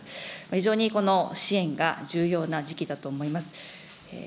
非常にこの支援が重要な時期だと思います。